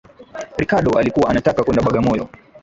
Riccardo alikuwa anataka kwenda Bagamoyo.